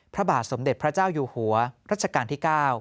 พระบาทสมเด็จพระเจ้าอยู่หัวรัชกาลที่๙